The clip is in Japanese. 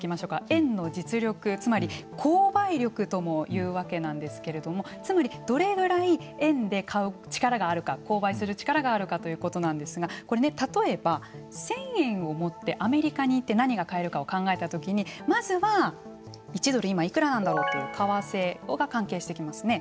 円の実力つまり購買力とも言うわけなんですけれどもつまりどれぐらい円で買う力があるか購買する力があるかということなんですがこれ、例えば１０００円を持ってアメリカに行って何が買えるかを考えたときにまずは、１ドル今いくらなんだろうという為替が関係してきますね。